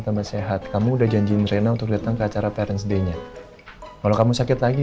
tambah sehat kamu udah janjiin rena untuk datang ke acara parents ⁇ day nya kalau kamu sakit lagi